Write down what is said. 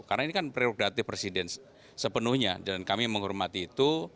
karena ini kan prerogatif presiden sepenuhnya dan kami menghormati itu